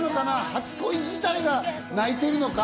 初恋自体が泣いてるのか？